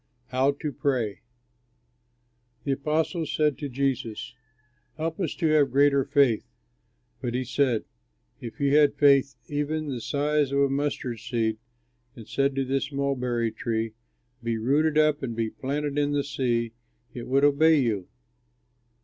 HOW TO PRAY The apostles said to Jesus, "Help us to have greater faith." But he said, "If you had faith even the size of a mustard seed and said to this mulberry tree, 'Be rooted up and be planted in the sea,' it would obey you."